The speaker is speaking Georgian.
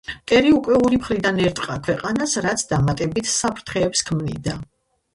მტერი უკვე ორი მხრიდან ერტყა ქვეყანას, რაც დამატებით საფრთხეებს ქმნიდა.